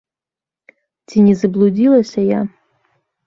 Ці не заблудзілася я?